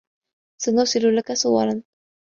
سنرسل لك صورا.